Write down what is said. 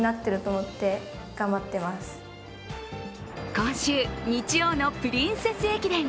今週日曜のプリンセス駅伝。